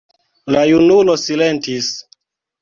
La junulo silentis.